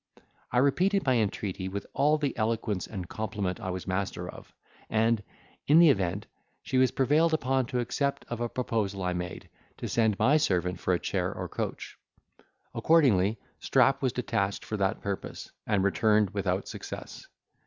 I repeated my entreaty with all the eloquence and compliment I was master of; and, in the event, she was prevailed upon to accept of a proposal I made, to send my servant for a chair or coach: accordingly, Strap was detached for that purpose, and returned without success.